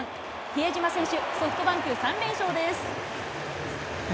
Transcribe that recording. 比江島選手、ソフトバンク３連勝